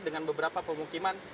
dengan beberapa pemukiman